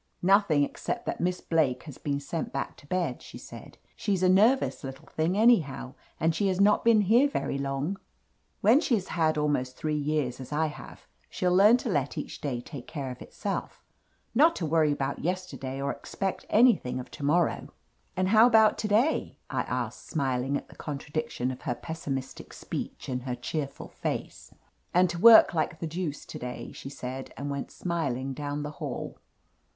"Nothing, except that Miss Blake has been sent back to bed," she said. "She's a nervous little thing anyhow, and she has not been here very long. When she has had almost three 52 OF LETITIA CARBERRY years, as I have, she'll learn to let each day take care of itself — ^not to worry about yesterday or expect anything of to morrow." "And how about to day?" I asked, smiling at the contradiction of her pessimistic speech and her cheerful face. "And to work like the deuce to day," she said, and went smiling down the hall.